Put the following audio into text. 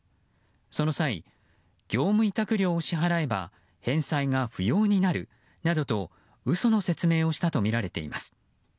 その際、業務委託料を支払えば返済が不要になるなどと嘘の説明をしたとみられています。